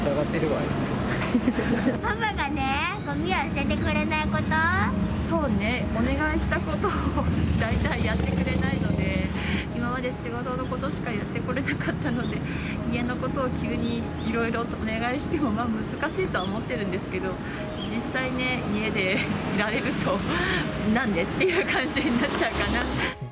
パパがね、ごみを捨ててくれそうね、お願いしたことを大体やってくれないので、今まで仕事のことしかやってこられなかったので、家のことを急にいろいろとお願いしてもまあ、難しいとは思ってるんですけど、実際ね、家でいられると、なんで？っていう感じになっちゃうかな。